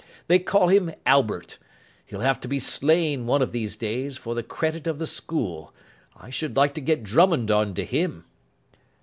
They call him Albert. He'll have to be slain one of these days, for the credit of the school. I should like to get Drummond on to him."